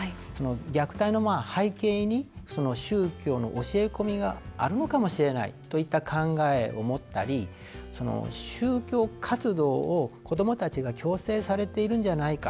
虐待の背景に宗教の教え込みがあるのかもしれないといった考えを持ったり宗教活動を子どもたちが強制されているんじゃないか。